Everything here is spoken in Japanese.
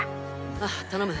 ああ頼む。